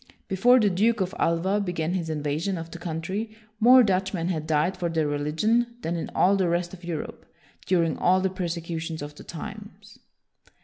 Be fore the Duke of Alva began his invasion of the country, more Dutchmen had died for their religion than in all the rest of Europe during all the persecutions of the times.